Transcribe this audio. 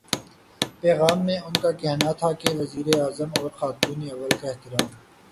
پیغام میں ان کا کہنا تھا کہ وزیرا اعظم اور خاتونِ اول کا احترام